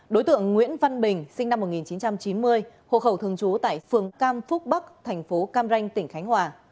đối tượng nguyễn văn bình sinh năm một nghìn chín trăm chín mươi hộ khẩu thường trú tại phường cam phúc bắc thành phố cam ranh tỉnh khánh hòa